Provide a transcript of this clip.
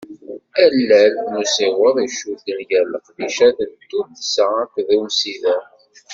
Allal n usiweḍ i icudden gar leqdicat n tuddsa akked umsider.